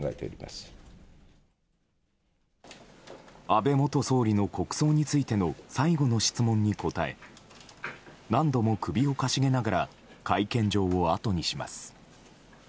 安倍元総理の国葬についての最後の質問に答え何度も首をかしげながら会見場をあとにします。